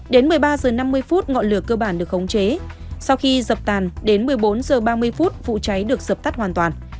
đến một mươi ba h năm mươi ngọn lửa cơ bản được khống chế sau khi dập tàn đến một mươi bốn h ba mươi phút vụ cháy được dập tắt hoàn toàn